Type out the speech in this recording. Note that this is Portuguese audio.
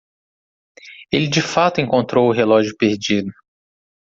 Ele de fato encontrou o relógio perdido.